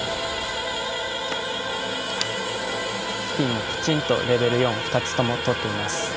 スピンもきちんとレベル４を２つともとっています。